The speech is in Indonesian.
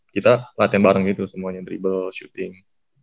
kita latihan bareng gitu semuanya drible shooting